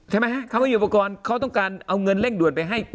ใช่ไหมฮะเขาไม่มีอุปกรณ์เขาต้องการเอาเงินเร่งด่วนไปให้